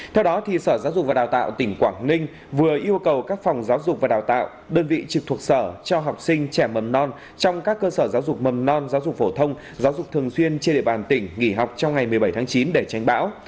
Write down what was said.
theo đó sở giáo dục và đào tạo tỉnh quảng ninh vừa yêu cầu các phòng giáo dục và đào tạo đơn vị trực thuộc sở cho học sinh trẻ mầm non trong các cơ sở giáo dục mầm non giáo dục phổ thông giáo dục thường xuyên trên địa bàn tỉnh nghỉ học trong ngày một mươi bảy tháng chín để tránh bão